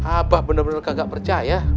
abah bener bener kagak percaya